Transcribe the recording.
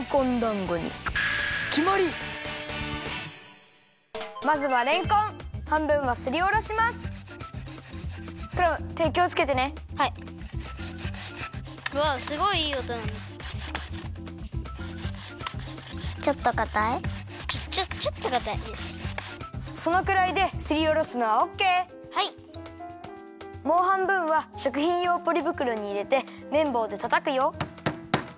もうはんぶんはしょくひんようポリぶくろにいれてめんぼうでたたくよ。